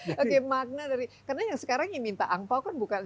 oke makna dari karena yang sekarang yang minta angpao kan bukan